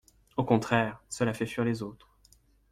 Au contraire, cela fait fuir les autres.